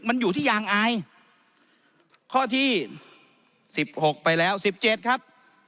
มันอยู่ที่ยางอายข้อที่สิบหกไปแล้วสิบเจ็ดครับ